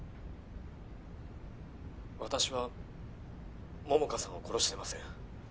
「私は桃花さんを殺してません」